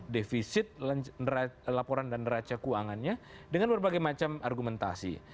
defisit laporan dan raca keuangannya dengan berbagai macam argumentasi